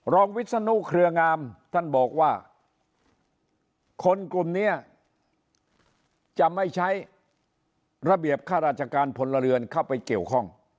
วิศนุเครืองามท่านบอกว่าคนกลุ่มนี้จะไม่ใช้ระเบียบข้าราชการพลเรือนเข้าไปเกี่ยวข้อง